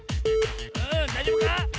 うんだいじょうぶか？